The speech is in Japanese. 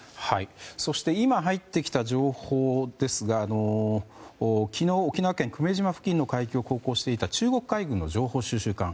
そして今入ってきた情報ですが昨日、沖縄県久米島付近の海域を航行していた中国海軍の情報収集艦。